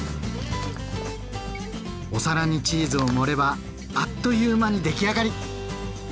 お皿にチーズを盛ればあっという間に出来上がり！